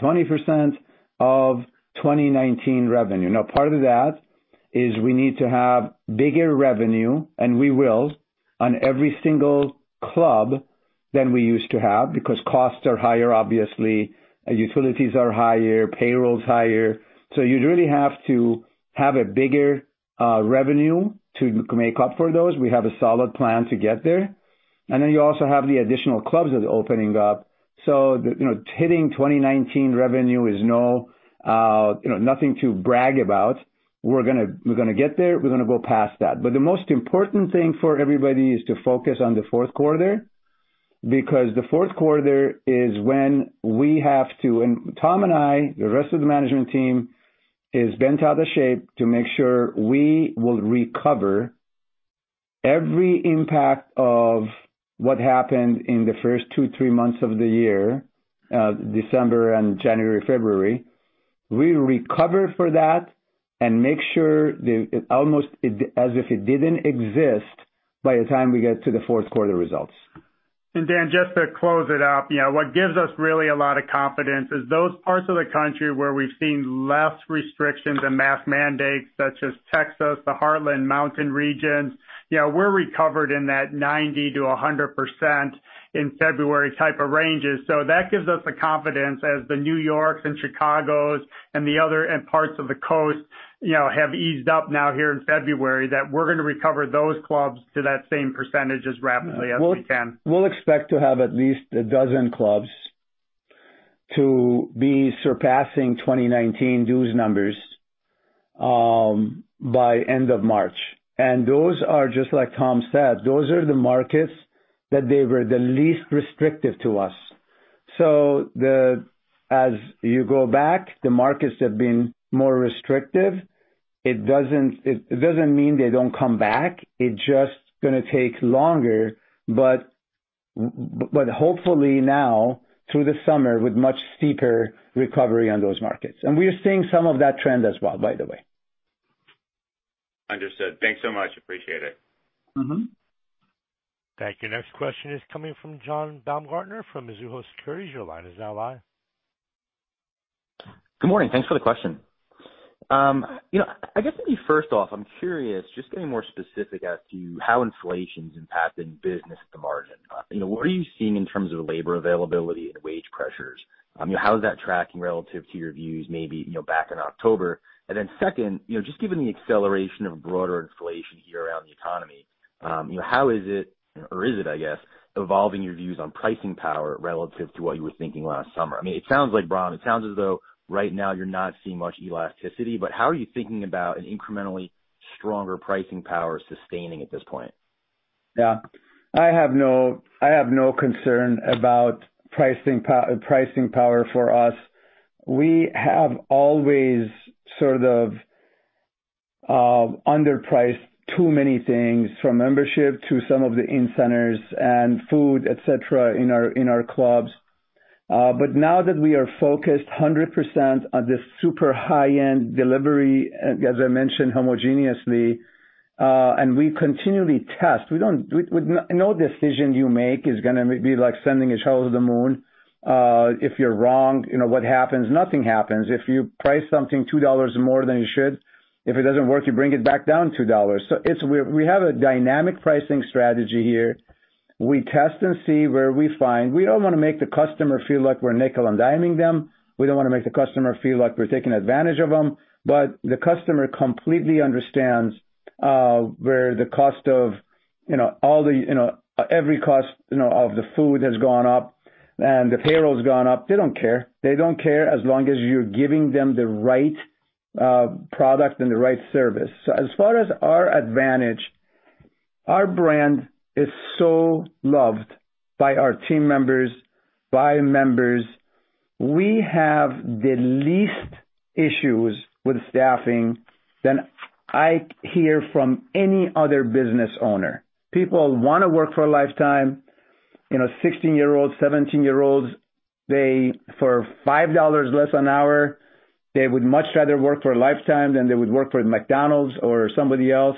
120% of 2019 revenue. Now, part of that is we need to have bigger revenue, and we will, on every single club than we used to have because costs are higher, obviously, utilities are higher, payroll is higher. You really have to have a bigger revenue to make up for those. We have a solid plan to get there. Then you also have the additional clubs that are opening up. You know, hitting 2019 revenue is no, you know, nothing to brag about. We're gonna get there, we're gonna go past that. The most important thing for everybody is to focus on the fourth quarter, because the fourth quarter is when we have to. And Tom and I, the rest of the management team, is bent out of shape to make sure we will recover every impact of what happened in the first two, three months of the year, December and January, February. We recover for that and make sure the almost as if it didn't exist by the time we get to the fourth quarter results. Dan, just to close it out, you know, what gives us really a lot of confidence is those parts of the country where we've seen less restrictions and mask mandates, such as Texas, the Heartland, Mountain regions, you know, we're recovered in that 90%-100% in February type of ranges. That gives us the confidence as the New Yorks and Chicagos and the other and parts of the coast, you know, have eased up now here in February, that we're gonna recover those clubs to that same percentage as rapidly as we can. We'll expect to have at least a dozen clubs to be surpassing 2019 dues numbers by end of March. Those are just like Tom said, those are the markets that they were the least restrictive to us. As you go back, the markets have been more restrictive. It doesn't mean they don't come back. It just gonna take longer. Hopefully now through the summer, with much steeper recovery on those markets. We are seeing some of that trend as well, by the way. Understood. Thanks so much. Appreciate it. Mm-hmm. Thank you. Next question is coming from John Baumgartner from Mizuho Securities. Your line is now live. Good morning. Thanks for the question. You know, I guess maybe first off, I'm curious, just getting more specific as to how inflation's impacting business at the margin. You know, what are you seeing in terms of labor availability and wage pressures? You know, how is that tracking relative to your views maybe, you know, back in October? Second, you know, just given the acceleration of broader inflation here around the economy, you know, how is it, or is it, I guess, evolving your views on pricing power relative to what you were thinking last summer? I mean, it sounds like, Bahram, it sounds as though right now you're not seeing much elasticity, but how are you thinking about an incrementally stronger pricing power sustaining at this point? Yeah. I have no concern about pricing power for us. We have always sort of underpriced too many things, from membership to some of the in-centers and food, et cetera, in our clubs. But now that we are focused 100% on this super high-end delivery, as I mentioned, homogeneously, and we continually test. No decision you make is gonna be like sending a child to the moon. If you're wrong, you know what happens? Nothing happens. If you price something $2 more than you should, if it doesn't work, you bring it back down $2. We have a dynamic pricing strategy here. We test and see where we find. We don't wanna make the customer feel like we're nickel and diming them. We don't wanna make the customer feel like we're taking advantage of them. The customer completely understands where the cost of, you know, all the, you know, every cost, you know, of the food has gone up and the payroll's gone up. They don't care. They don't care as long as you're giving them the right product and the right service. As far as our advantage, our brand is so loved by our team members, by members. We have the least issues with staffing than I hear from any other business owner. People wanna work for a Life Time, you know, 16-year-olds, 17-year-olds, they for $5 less an hour, they would much rather work for a Life Time than they would work for McDonald's or somebody else.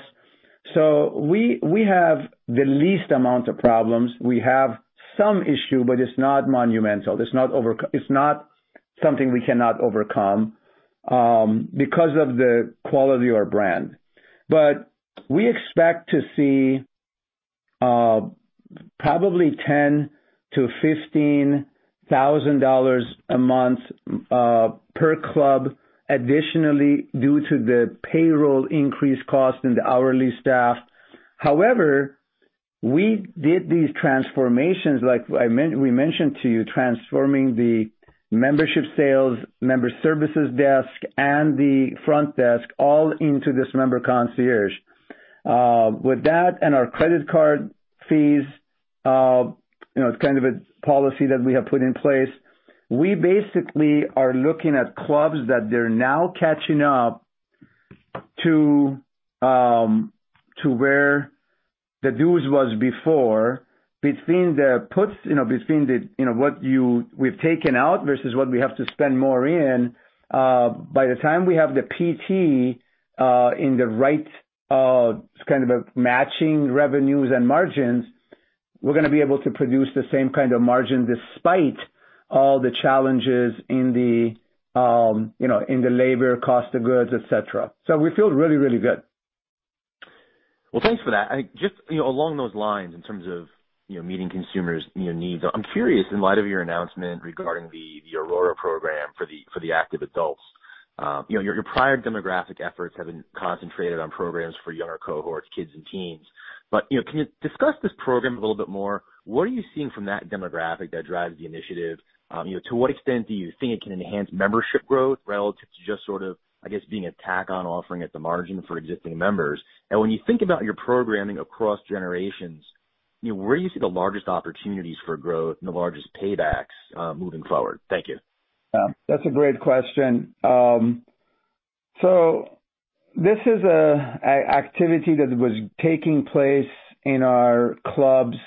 We have the least amount of problems. We have some issue, but it's not monumental. It's not something we cannot overcome because of the quality of our brand. We expect to see probably $10,000-$15,000 a month per club additionally due to the payroll increase cost and the hourly staff. However, we did these transformations, like we mentioned to you, transforming the membership sales, member services desk, and the front desk all into this member concierge. With that and our credit card fees, you know, it's kind of a policy that we have put in place. We basically are looking at clubs that they're now catching up to where the dues was before, between the puts, you know, between the, you know, what we've taken out versus what we have to spend more in. By the time we have the PT in the right kind of a matching revenues and margins, we're gonna be able to produce the same kind of margin despite all the challenges in the, you know, in the labor, cost of goods, et cetera. We feel really, really good. Well, thanks for that. I think just, you know, along those lines, in terms of, you know, meeting consumers' needs, I'm curious, in light of your announcement regarding the MIORA program for the active adults. You know, your prior demographic efforts have been concentrated on programs for younger cohorts, kids and teens. You know, can you discuss this program a little bit more? What are you seeing from that demographic that drives the initiative? You know, to what extent do you think it can enhance membership growth relative to just sort of, I guess, being a tack on offering at the margin for existing members? And when you think about your programming across generations, you know, where do you see the largest opportunities for growth and the largest paybacks moving forward? Thank you. That's a great question. This is an activity that was taking place in our clubs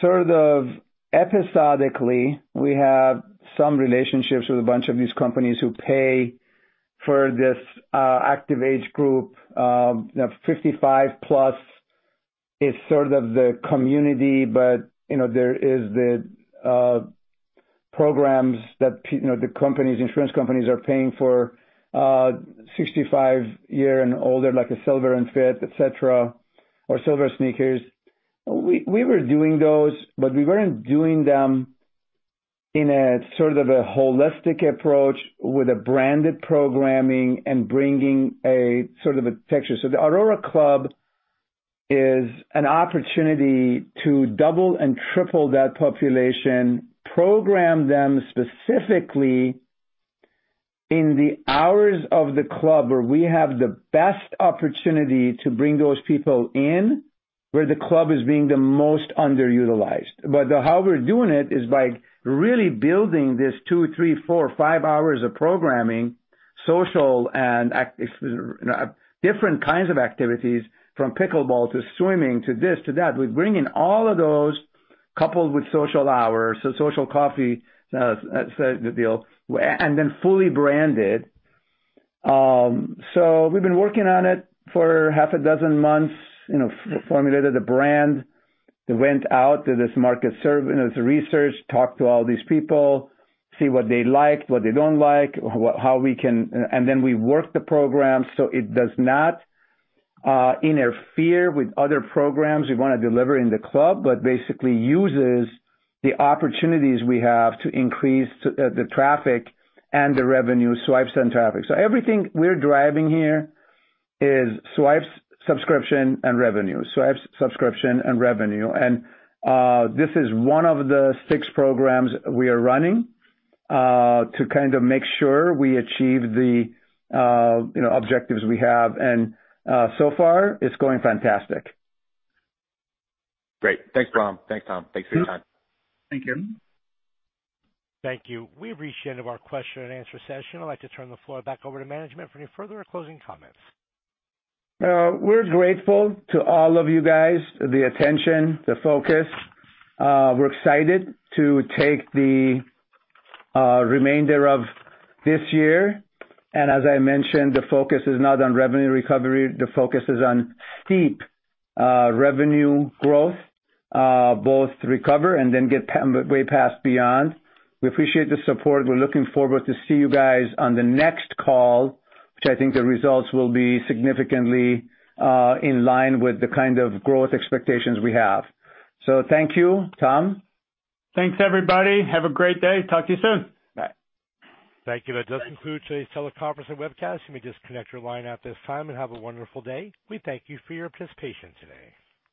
sort of episodically. We have some relationships with a bunch of these companies who pay for this active age group, you know, 55+ is sort of the community, but you know, there are the programs that you know, the companies, insurance companies are paying for, 65 years and older, like Silver&Fit et cetera, or SilverSneakers. We were doing those, but we weren't doing them in a sort of holistic approach with a branded programming and bringing a sort of texture. The MIORA Club is an opportunity to double and triple that population, program them specifically in the hours of the club where we have the best opportunity to bring those people in, where the club is being the most underutilized. How we're doing it is by really building this 2, 3, 4, 5 hours of programming, social and you know, different kinds of activities from pickleball to swimming to this to that. We bring in all of those coupled with social hours, social coffee sets the deal, and then fully branded. We've been working on it for half a dozen months, you know, formulated a brand that went out to this market survey and its research, talked to all these people, see what they like, what they don't like, how we can. Then we work the program, so it does not interfere with other programs we wanna deliver in the club, but basically uses the opportunities we have to increase the traffic and the revenue swipes and traffic. Everything we're driving here is swipes, subscription, and revenue. Swipes, subscription, and revenue. This is one of the six programs we are running to kind of make sure we achieve the, you know, objectives we have. So far it's going fantastic. Great. Thanks, Ram. Thanks, Tom. Thanks for your time. Thank you. Thank you. We've reached the end of our question and answer session. I'd like to turn the floor back over to management for any further closing comments. We're grateful to all of you guys, the attention, the focus. We're excited to take the remainder of this year. As I mentioned, the focus is not on revenue recovery. The focus is on steep revenue growth, both recover and then get way past beyond. We appreciate the support. We're looking forward to see you guys on the next call, which I think the results will be significantly in line with the kind of growth expectations we have. Thank you. Tom? Thanks, everybody. Have a great day. Talk to you soon. Bye. Thank you. That does conclude today's teleconference and webcast. You may disconnect your line at this time, and have a wonderful day. We thank you for your participation today.